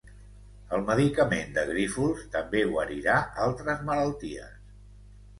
El medicament de Grífols també guarirà altres malalties